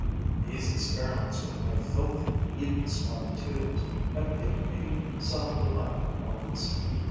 These experiments with my filthy, evil smelling tubes have given me some delightful moments.